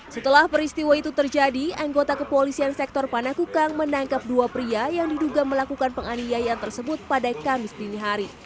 setelah peristiwa itu terjadi anggota kepolisian sektor panakukang menangkap dua pria yang diduga melakukan penganiayaan tersebut pada kamis dini hari